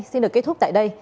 xin được kết thúc tại đây